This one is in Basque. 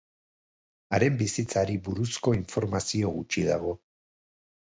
Haren bizitzari buruzko informazio gutxi dago.